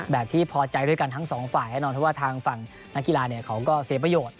ที่พอใจด้วยกันทั้งสองฝ่ายแน่นอนเพราะว่าทางฝั่งนักกีฬาเขาก็เสียประโยชน์